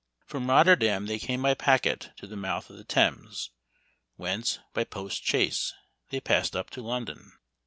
From Rotterdam they came by packet to the mouth of the Thames, whence, by post chaise, they passed up to London.